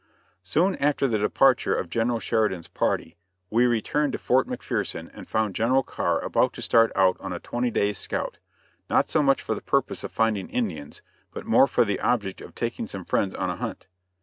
Soon after the departure of General Sheridan's party, we returned to Fort McPherson and found General Carr about to start out on a twenty days' scout, not so much for the purpose of finding Indians, but more for the object of taking some friends on a hunt.